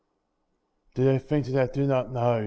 erses Do They Think That I Do Not Know?